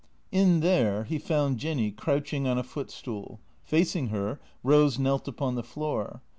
In there he found Jinny crouching on a footstool ; facing her, Eose knelt upon the floor.